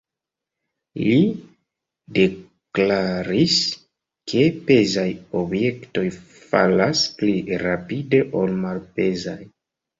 Li deklaris, ke pezaj objektoj falas pli rapide ol malpezaj.